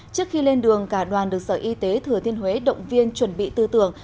trước khi lên đường cả đoàn được sở y tế thừa thiên huế động viên chuẩn bị tư tưởng